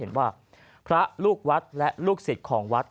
เห็นว่าพระลูกวัดและลูกศิษย์ของวัด